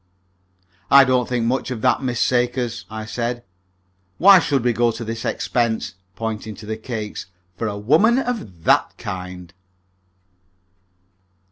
"I don't think much of that Miss Sakers," I said. "Why should we go to this expense," pointing to the cakes, "for a woman of that kind?"